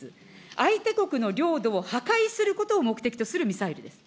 相手国の領土を破壊することを目的とするミサイルです。